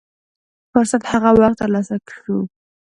فرصت هغه وخت تر لاسه شو.